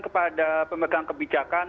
kepada pemegang kebijakan